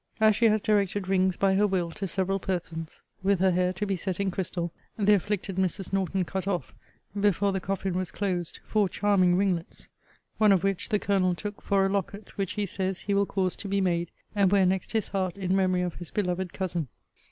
As she has directed rings by her will to several persons, with her hair to be set in crystal, the afflicted Mrs. Norton cut off, before the coffin was closed four charming ringlets; one of which the Colonel took for a locket, which, he says, he will cause to be made, and wear next his heart in memory of his beloved cousin.